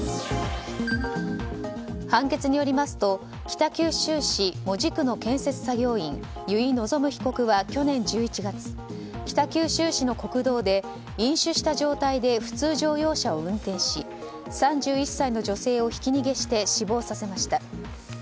判決によりますと北九州市門司区の建設作業員由井希被告は去年１１月北九州市の国道で飲酒した状態で普通乗用車を運転し３１歳の女性をひき逃げして死亡させました。